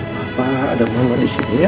papa ada mama disini ya